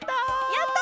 やった！